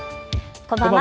こんばんは。